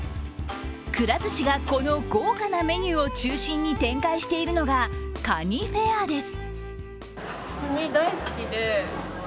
くら寿司が、この豪華なメニューを中心に展開しているのがかにフェアです。